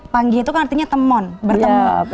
panggi itu artinya temon bertemu